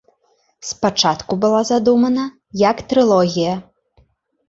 Спачатку была задумана як трылогія.